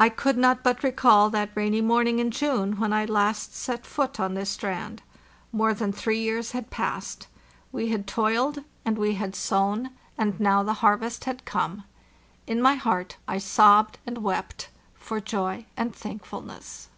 I could not but recall that rainy morning in June when I last set foot on this strand. More than three years had passed; we had toiled and we had sown, and now THE JOURNEY SOUTHWARD 597 the harvest had come. In my heart I sobbed and wept for joy and thankfulness.